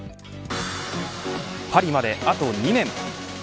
パリまで、あと２年。